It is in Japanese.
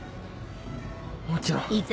もちろん。